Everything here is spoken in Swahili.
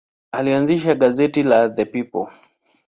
Alianzisha gazeti la The People.